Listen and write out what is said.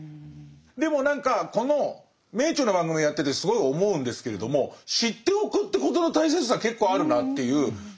でも何かこの「名著」の番組やっててすごい思うんですけれども「知っておく」ということの大切さ結構あるなっていう。